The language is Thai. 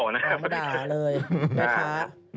อ๋อนะครับ